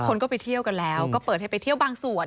คนก็ไปเที่ยวกันแล้วก็เปิดให้ไปเที่ยวบางส่วน